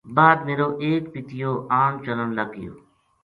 بعد میرو ایک پِتیو آن چلن لگ گیو